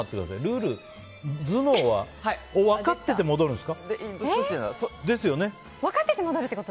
ルール頭脳は分かってて戻るんですか？